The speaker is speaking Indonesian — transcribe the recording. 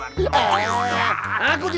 aku tidak redo